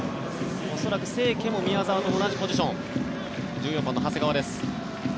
恐らく清家も宮澤と同じポジション１４番の長谷川です。